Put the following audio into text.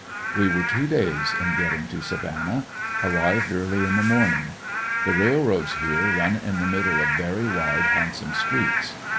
We were two days in get ting to Savannah. Arrived early in the morning. The railroads here run in the middle of very wide, handsome streets.